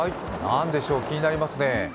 何でしょう、気になりますね